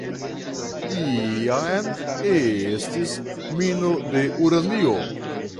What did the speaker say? Iam estis mino de uranio.